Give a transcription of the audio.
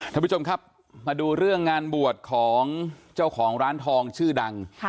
ท่านผู้ชมครับมาดูเรื่องงานบวชของเจ้าของร้านทองชื่อดัง